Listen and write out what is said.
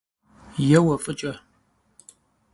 Еуэ, фӏыкӏэ!